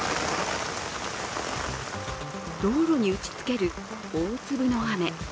道路に打ちつける大粒の雨。